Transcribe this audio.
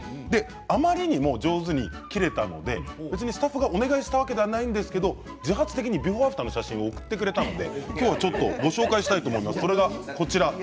あまりにも上手に切れたので別にスタッフがお願いしたわけではないんですが自発的にビフォーアフターの写真を送ってくれたので今日はちょっとご紹介したいと思います。